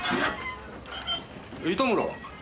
糸村は？